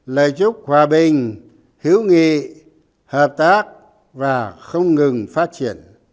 lời chúc hòa bình hữu nghị hợp tác và không ngừng phát triển